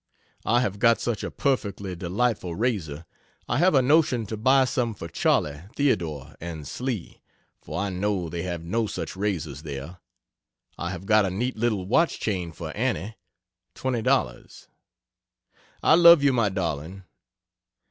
I have got such a perfectly delightful razor. I have a notion to buy some for Charley, Theodore and Slee for I know they have no such razors there. I have got a neat little watch chain for Annie $20. I love you my darling.